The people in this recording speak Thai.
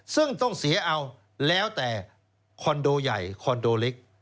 ซึ่งต้องเสียเอาแล้วแต่คอนโดใหญ่คอนโดเล็ก